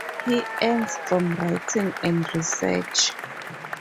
He earns from Writing and Research.